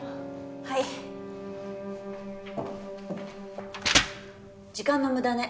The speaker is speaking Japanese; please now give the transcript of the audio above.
はい時間のムダね